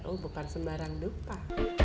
oh bukan sembarang dupa